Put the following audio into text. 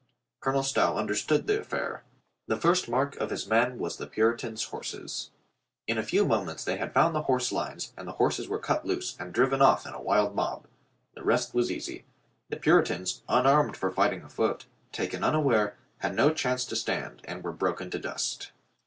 Colonel Stow understood the affair. The first mark of his men was the Puritans' horses. In few moments they had found the horse lines and the horses were cut loose and driven off in a wild mob. The rest was easy. The Puritans, unarmed for fighting afoot, taken unaware, had no chance to stand and were broken to dust.